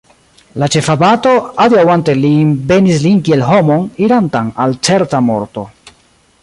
La ĉefabato, adiaŭante lin, benis lin kiel homon, irantan al certa morto.